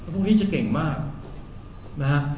พวกนี้จะเก่งมากนะฮะ